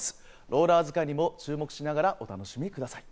ローラー使いにも注目しながらお楽しみください。